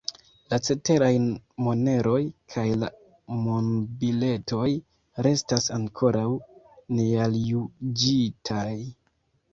La ceteraj moneroj kaj la monbiletoj restas ankoraŭ nealjuĝitaj.